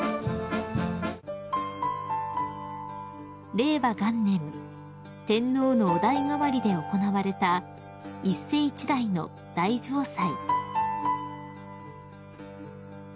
［令和元年天皇のお代替わりで行われた一世一代の大嘗祭］